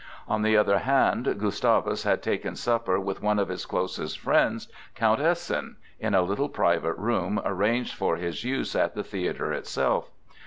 On the other hand, Gustavus had taken supper with one of his closest friends, Count Essen, in a little private room arranged for his use at the theatre itself.